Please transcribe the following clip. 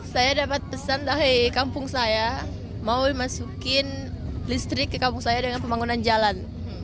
saya dapat pesan dari kampung saya mau masukin listrik ke kampung saya dengan pembangunan jalan